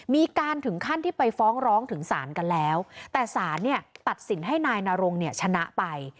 ถึงขั้นที่ไปฟ้องร้องถึงศาลกันแล้วแต่สารเนี่ยตัดสินให้นายนรงเนี่ยชนะไป